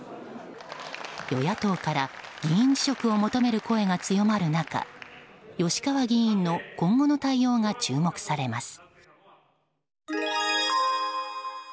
与野党から議員辞職を求める声が強まる中吉川議員の今後の対応が注目されます。